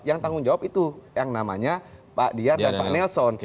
yang tanggung jawab itu yang namanya pak diyar dan pak nelson